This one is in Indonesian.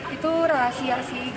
itu rahasia sih